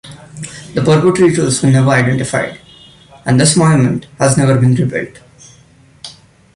The perpetrators were never identified, and this monument has never been rebuilt.